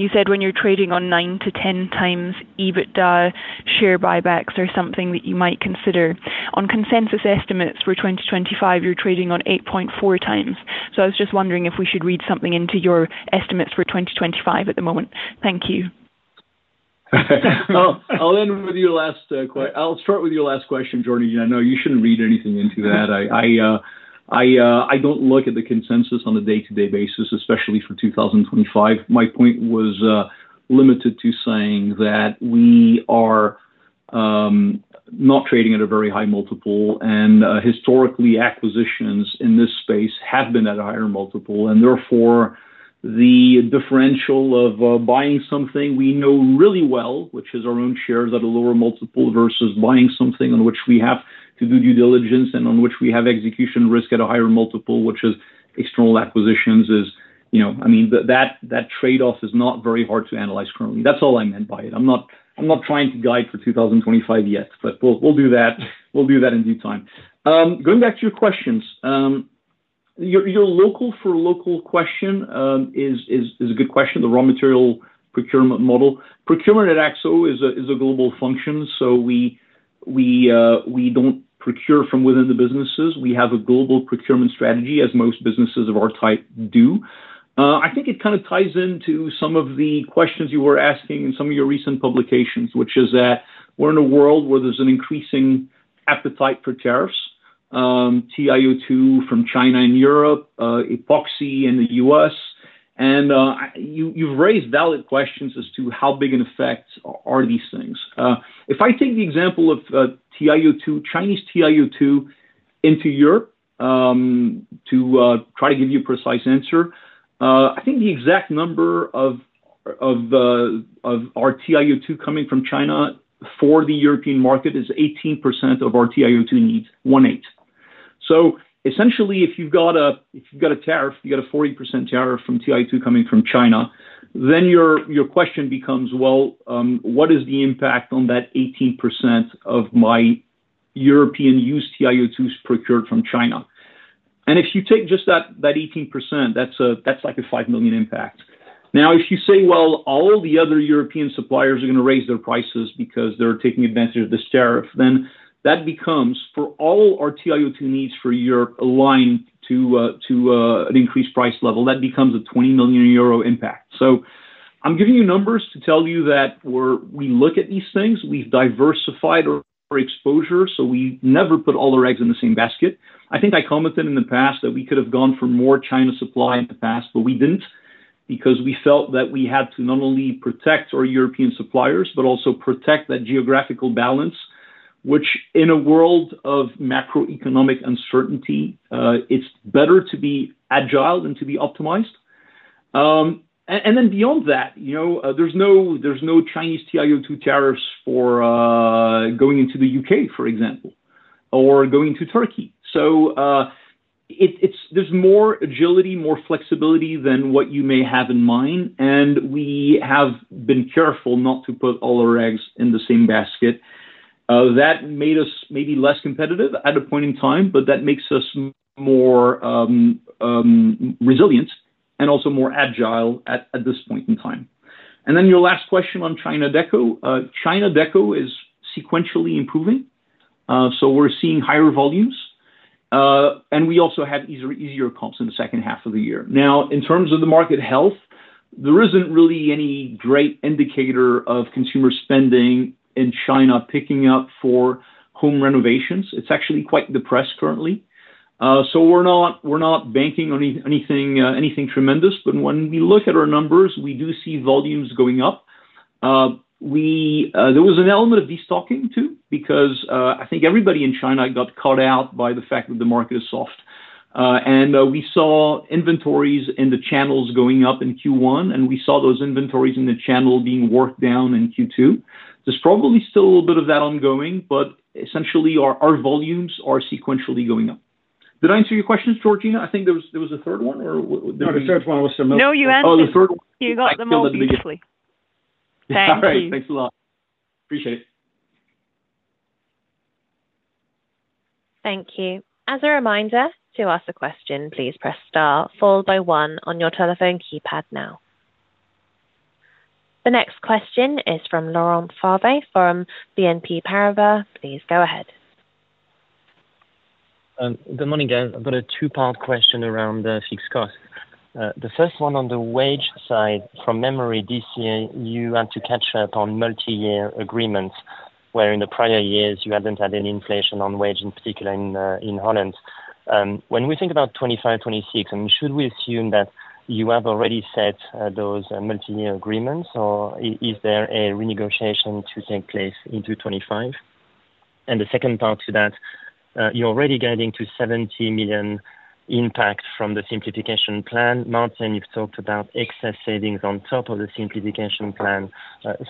You said when you're trading on 9-10x EBITDA share buybacks are something that you might consider. On consensus estimates for 2025, you're trading on 8.4x. So I was just wondering if we should read something into your estimates for 2025 at the moment. Thank you. Oh, I'll end with your last. I'll start with your last question, Georgina. No, you shouldn't read anything into that. I don't look at the consensus on a day-to-day basis, especially for 2025. My point was limited to saying that we are not trading at a very high multiple, and historically, acquisitions in this space have been at a higher multiple, and therefore, the differential of buying something we know really well, which is our own shares at a lower multiple, versus buying something on which we have to do due diligence and on which we have execution risk at a higher multiple, which is external acquisitions, is, you know... I mean, that trade-off is not very hard to analyze currently. That's all I meant by it. I'm not, I'm not trying to guide for 2025 yet, but we'll, we'll do that. We'll do that in due time. Going back to your questions, your local for local question is a good question. The raw material procurement model. Procurement at AkzoNobel is a global function, so we don't procure from within the businesses. We have a global procurement strategy, as most businesses of our type do. I think it kind of ties into some of the questions you were asking in some of your recent publications, which is that we're in a world where there's an increasing appetite for tariffs, TiO2 from China and Europe, Epoxy in the US, and you've raised valid questions as to how big an effect are these things. If I take the example of TiO2, Chinese TiO2 into Europe, to try to give you a precise answer, I think the exact number of our TiO2 coming from China for the European market is 18% of our TiO2 needs, 18. So essentially, if you've got a tariff, you got a 40% tariff on TiO2 coming from China, then your question becomes: Well, what is the impact on that 18% of my European used TiO2 procured from China? And if you take just that 18%, that's like a 5 million impact. Now, if you say, well, all the other European suppliers are gonna raise their prices because they're taking advantage of this tariff, then that becomes for all our TiO2 needs for Europe aligned to an increased price level, that becomes a 20 million euro impact. So I'm giving you numbers to tell you that we look at these things, we've diversified our exposure, so we never put all our eggs in the same basket. I think I commented in the past that we could have gone for more China supply in the past, but we didn't, because we felt that we had to not only protect our European suppliers but also protect that geographical balance, which in a world of macroeconomic uncertainty, it's better to be agile than to be optimized. And then beyond that, you know, there's no Chinese TiO2 tariffs for going into the UK, for example, or going to Turkey. So, it's more agility, more flexibility than what you may have in mind, and we have been careful not to put all our eggs in the same basket. That made us maybe less competitive at a point in time, but that makes us more resilient and also more agile at this point in time. And then your last question on China Deco. China Deco is sequentially improving, so we're seeing higher volumes. And we also had easier comps in the second half of the year. Now, in terms of the market health, there isn't really any great indicator of consumer spending in China, picking up for home renovations. It's actually quite depressed currently. So we're not, we're not banking on anything tremendous. But when we look at our numbers, we do see volumes going up. There was an element of destocking too, because I think everybody in China got caught out by the fact that the market is soft. And we saw inventories in the channels going up in Q1, and we saw those inventories in the channel being worked down in Q2. There's probably still a little bit of that ongoing, but essentially our volumes are sequentially going up. Did I answer your questions, Georgina? I think there was a third one, or w- No, the third one was- No, you answered. Oh, the third one- You got them all beautifully. I killed it. Thank you. All right. Thanks a lot. Appreciate it. Thank you. As a reminder, to ask a question, please press star followed by one on your telephone keypad now. The next question is from Laurent Favre from BNP Paribas. Please go ahead. Good morning, guys. I've got a two-part question around the fixed cost. The first one on the wage side. From memory this year, you had to catch up on multi-year agreements, where in the prior years you hadn't had any inflation on wage, in particular in Holland. When we think about 2025, 2026, I mean, should we assume that you have already set those multi-year agreements, or is there a renegotiation to take place into 2025? And the second part to that, you're already guiding to 70 million impact from the simplification plan. Maarten, you've talked about excess savings on top of the simplification plan.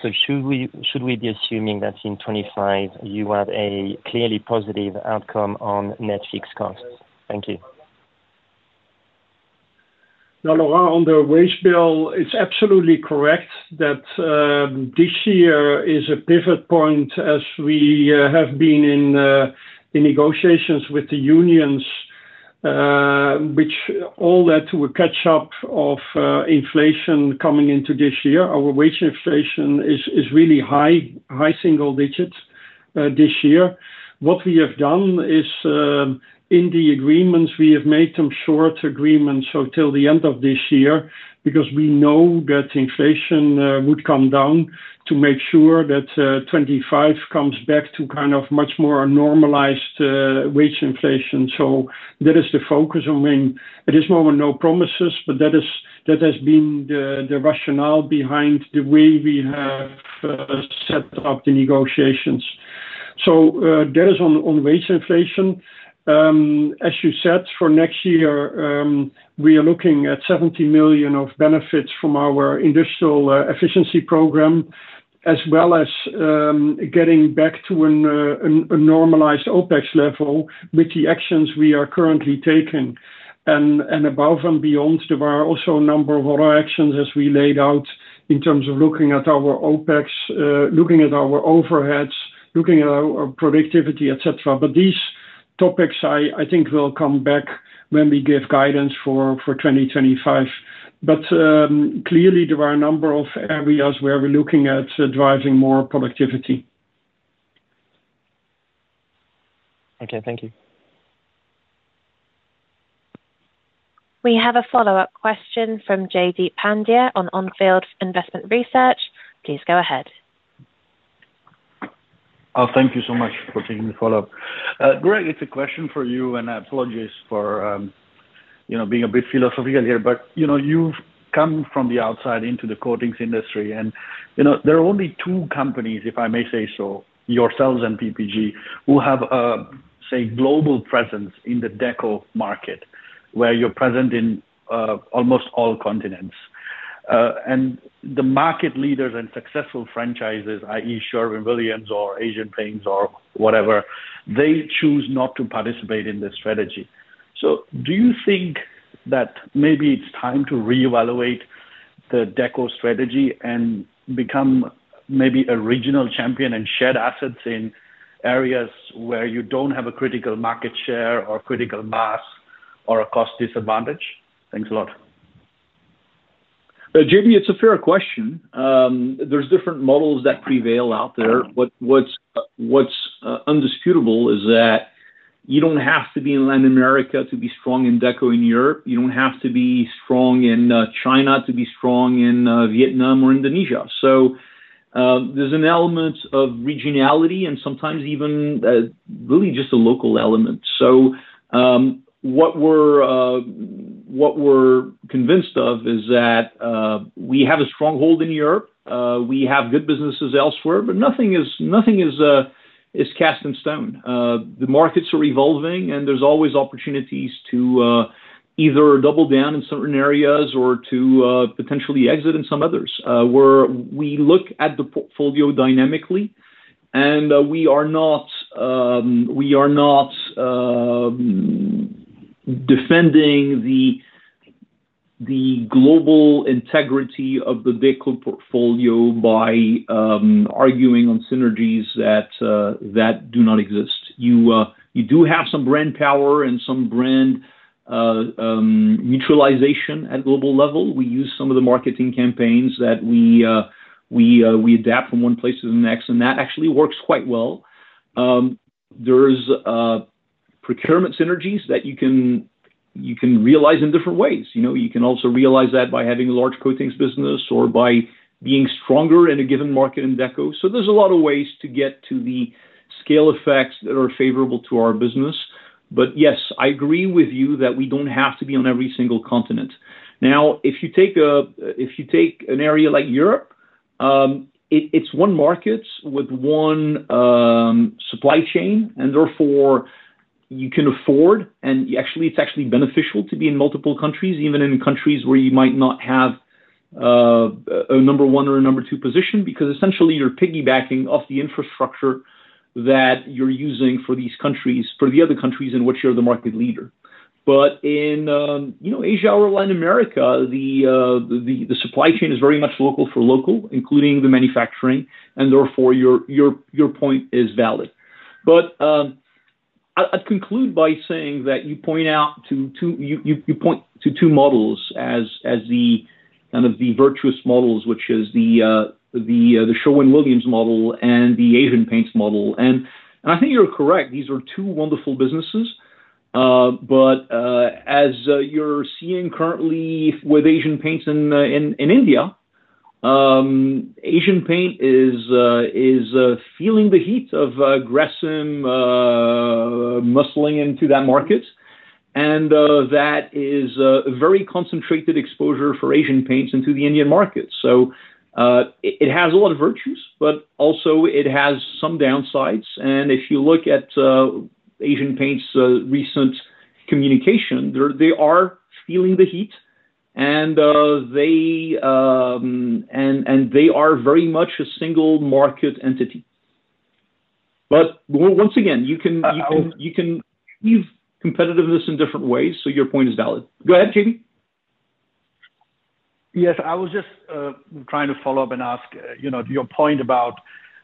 So should we, should we be assuming that in 2025 you have a clearly positive outcome on net fixed costs? Thank you. Now, Laurent, on the wage bill, it's absolutely correct that this year is a pivot point as we have been in negotiations with the unions, which all led to a catch-up of inflation coming into this year. Our wage inflation is really high, high single digits, this year. What we have done is, in the agreements, we have made them short agreements, so till the end of this year, because we know that inflation would come down to make sure that 2025 comes back to kind of much more normalized wage inflation. So that is the focus. I mean, at this moment, no promises, but that is... That has been the rationale behind the way we have set up the negotiations. So, that is on wage inflation. As you said, for next year, we are looking at 70 million of benefits from our industrial efficiency program, as well as getting back to a normalized OpEx level with the actions we are currently taking. Above and beyond, there are also a number of other actions, as we laid out, in terms of looking at our OpEx, looking at our overheads, looking at our productivity, et cetera. But these topics, I think will come back when we give guidance for 2025. Clearly there are a number of areas where we're looking at driving more productivity. Okay. Thank you. We have a follow-up question from J.D. Pandya on On Field Investment Research. Please go ahead. Thank you so much for taking the follow-up. Greg, it's a question for you, and I apologize for, you know, being a bit philosophical here, but, you know, you've come from the outside into the coatings industry, and, you know, there are only two companies, if I may say so, yourselves and PPG, who have a, say, global presence in the Deco market, where you're present in, almost all continents. And the market leaders and successful franchises, i.e., Sherwin-Williams or Asian Paints or whatever, they choose not to participate in this strategy. So do you think that maybe it's time to reevaluate the Deco strategy and become maybe a regional champion and shed assets in areas where you don't have a critical market share or critical mass or a cost disadvantage? Thanks a lot. JD, it's a fair question. There's different models that prevail out there. Indisputable is that... you don't have to be in Latin America to be strong in Deco in Europe. You don't have to be strong in China to be strong in Vietnam or Indonesia. So, there's an element of regionality and sometimes even really just a local element. So, what we're, what we're convinced of is that we have a stronghold in Europe, we have good businesses elsewhere, but nothing is, nothing is, is cast in stone. The markets are evolving, and there's always opportunities to either double down in certain areas or to potentially exit in some others. We're we look at the portfolio dynamically, and we are not, we are not defending the global integrity of the Deco portfolio by arguing on synergies that that do not exist. You do have some brand power and some brand neutralization at global level. We use some of the marketing campaigns that we adapt from one place to the next, and that actually works quite well. There's procurement synergies that you can realize in different ways. You know, you can also realize that by having a large coatings business or by being stronger in a given market in Deco. So there's a lot of ways to get to the scale effects that are favorable to our business. But yes, I agree with you that we don't have to be on every single continent. Now, if you take an area like Europe, it's one market with one supply chain, and therefore, you can afford, and actually, it's actually beneficial to be in multiple countries, even in countries where you might not have a number one or a number two position, because essentially, you're piggybacking off the infrastructure that you're using for these countries, for the other countries in which you're the market leader. But in, you know, Asia or Latin America, the supply chain is very much local for local, including the manufacturing, and therefore, your point is valid. But, I'd conclude by saying that you point to two models as the kind of the virtuous models, which is the Sherwin-Williams model and the Asian Paints model. And I think you're correct, these are two wonderful businesses, but as you're seeing currently with Asian Paints in India, Asian Paints is feeling the heat of Grasim muscling into that market. And that is a very concentrated exposure for Asian Paints into the Indian market. So it has a lot of virtues, but also it has some downsides. And if you look at Asian Paints' recent communication, they're feeling the heat, and they are very much a single market entity. But once again, you can leave competitiveness in different ways, so your point is valid. Go ahead, team. Yes, I was just trying to follow up and ask, you know, your point about,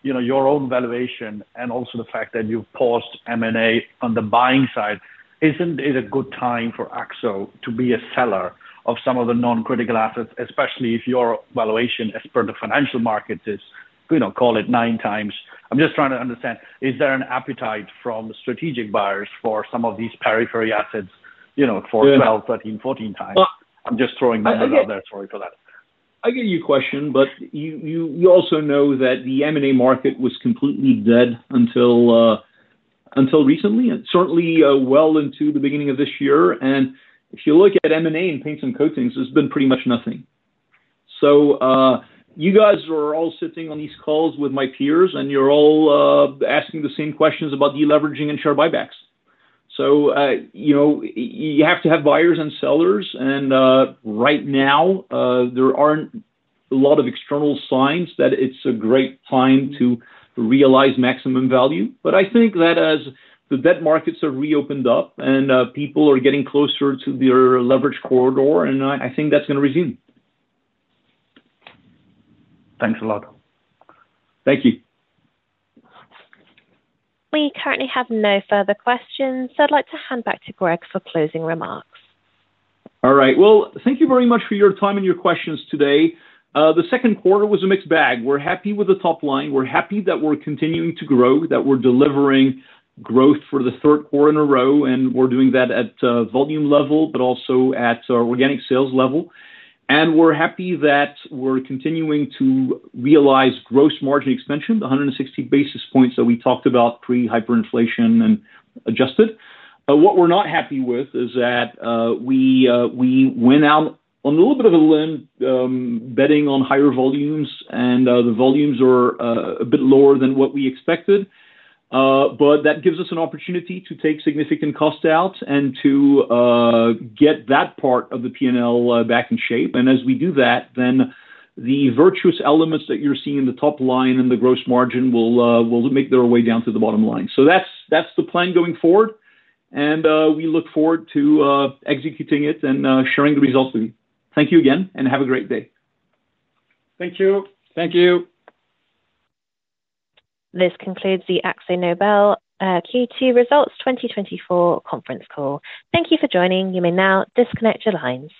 you know, your own valuation and also the fact that you've paused M&A on the buying side. Isn't it a good time for Akzo to be a seller of some of the non-critical assets, especially if your valuation, as per the financial markets, is, you know, call it 9 times? I'm just trying to understand, is there an appetite from strategic buyers for some of these periphery assets, you know, for 12, 13, 14 times? Well- I'm just throwing numbers out there, sorry for that. I get your question, but you also know that the M&A market was completely dead until recently, and certainly well into the beginning of this year. And if you look at M&A in paints and coatings, there's been pretty much nothing. So, you guys are all sitting on these calls with my peers, and you're all asking the same questions about deleveraging and share buybacks. So, you know, you have to have buyers and sellers, and right now, there aren't a lot of external signs that it's a great time to realize maximum value. But I think that as the debt markets are reopened up and people are getting closer to their leverage corridor, and I think that's gonna resume. Thanks a lot. Thank you. We currently have no further questions, so I'd like to hand back to Greg for closing remarks. All right. Well, thank you very much for your time and your questions today. The Q2 was a mixed bag. We're happy with the top line. We're happy that we're continuing to grow, that we're delivering growth for the Q3 in a row, and we're doing that at the volume level, but also at our organic sales level. And we're happy that we're continuing to realize gross margin expansion, the 160 basis points that we talked about, pre-hyperinflation and adjusted. But what we're not happy with is that we went out on a little bit of a limb, betting on higher volumes, and the volumes are a bit lower than what we expected. But that gives us an opportunity to take significant cost out and to get that part of the P&L back in shape. As we do that, then the virtuous elements that you're seeing in the top line and the gross margin will make their way down to the bottom line. That's the plan going forward, and we look forward to executing it and sharing the results with you. Thank you again, and have a great day. Thank you. Thank you. This concludes the AkzoNobel Q2 Results 2024 conference call. Thank you for joining. You may now disconnect your lines.